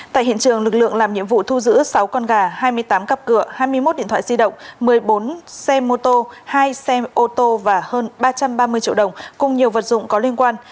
tại hiện trường lực lượng làm nhiệm vụ thu giữ sáu con gà hai mươi tám cặp cửa hai mươi một điện thoại di động một mươi bốn xe mô tô hai xe ô tô và hơn ba trăm ba mươi triệu đồng cùng nhiều vật dụng có liên quan